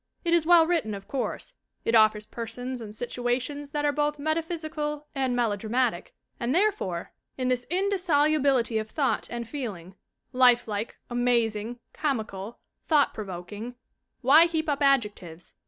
It is well written, of course ; it offers persons and situations that are both metaphysical and melodramatic and there fore, in this indissolubility of thought and feeling, life like, amazing, comical, thought provoking why heap up adjectives?